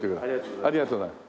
ありがとうございます。